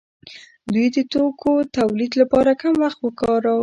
دوی د توکو تولید لپاره کم وخت ورکاوه.